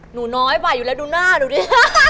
หนูน้อยไหวอยู่แล้วดูหน้าหนูดิ